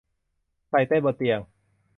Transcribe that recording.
ใส่เต้นบนเตียง